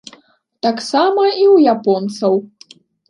Таксама і ў японцаў.